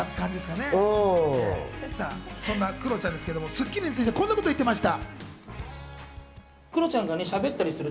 そんなクロちゃんですけど、『スッキリ』についてこんなことを言ってました。